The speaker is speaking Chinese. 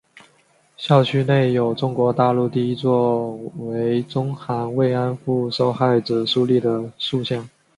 校区内有中国大陆第一座为中韩慰安妇受害者树立的塑像。